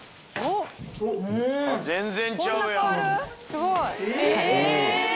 すごい！」